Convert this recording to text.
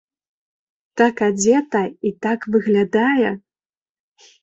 Так адзета і так выглядае!